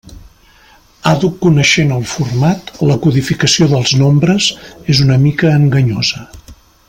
Àdhuc coneixent el format, la codificació dels nombres és una mica enganyosa.